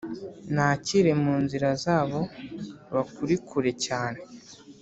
Nakire mu nzira zabo, Bakuri kure cyane.